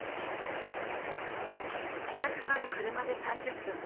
自宅から車で３０分。